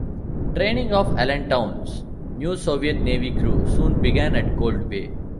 Training of "Allentown"s new Soviet Navy crew soon began at Cold Bay.